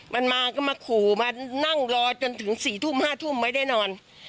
มันมาก็มาขู่มานั่งรอจนถึง๔ทุ่ม๕ทุ่มไม่ได้นอน